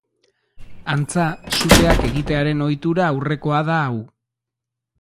Antza, suteak egitearen ohitura aurrekoa da hau.